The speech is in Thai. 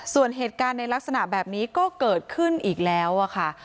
ส่วนเหตุการณ์ในลักษณะแบบนี้ก็เกิดขึ้นอีกแล้วค่ะ